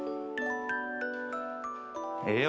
ええよ